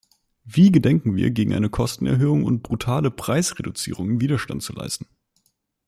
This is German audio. Wie gedenken wir, gegen eine Kostenerhöhung und brutale Preisreduzierungen Widerstand zu leisten?